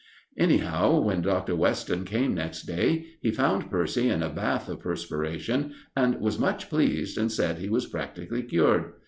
Anyhow, when Dr. Weston came next day he found Percy in a bath of perspiration, and was much pleased, and said he was practically cured.